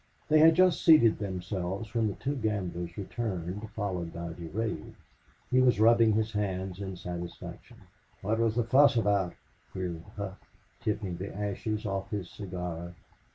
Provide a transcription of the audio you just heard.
They had just seated themselves when the two gamblers returned, followed by Durade. He was rubbing his hands in satisfaction. "What was the fuss about?" queried Hough, tipping the ashes off his cigar.